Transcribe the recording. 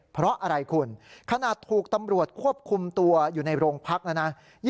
เพราะอะไรคุณขนาดถูกตำรวจควบคุมตัวอยู่ในโรงพักแล้วนะ